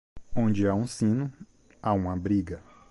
Onde há um sino, há uma briga.